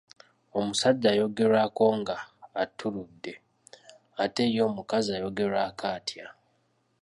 Omusajja ayogerwako nga attuuludde, ate ye omukazi ayogerwako atya?